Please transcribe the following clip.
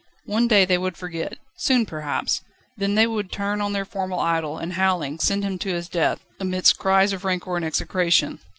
One day they would forget soon, perhaps then they would turn on their former idol, and, howling, send him to his death, amidst cries of rancour and execration.